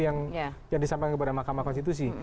yang disampaikan kepada mahkamah konstitusi